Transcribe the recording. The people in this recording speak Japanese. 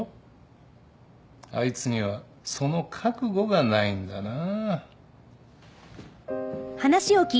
あいつにはその覚悟がないんだな。